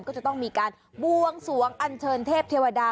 ก็จะต้องมีการบวงสวงอันเชิญเทพเทวดา